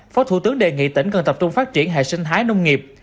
phó thủ tướng đề nghị tỉnh cần tập trung phát triển hệ sinh thái nông nghiệp